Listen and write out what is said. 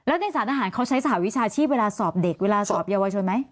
อันนี้ก็ใช้สารวิชาชีพเวลาสอบเด็กเวลาสอบเยาวชนไหม